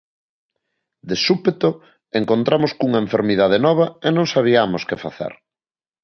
De súpeto, encontramos cunha enfermidade nova e non sabiamos que facer.